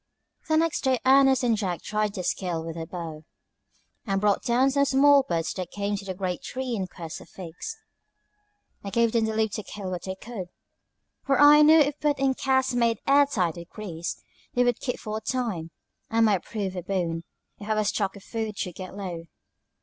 The next day Ernest and Jack tried their skill with the bow, and brought down some small birds that came to the great tree in quest of figs. I gave them leave to kill what they could; for I knew if put in casks made air tight with grease, they would keep for a time, and might prove a boon, if our stock of food should get low.